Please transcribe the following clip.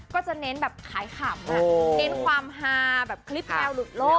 ก็จะเน้นแบบขายขำเน้นความฮาแบบคลิปแนวหลุดโลก